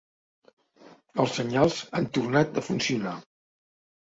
Els senyals han tornat a funcionar.